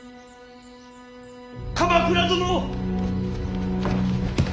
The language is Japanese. ・鎌倉殿！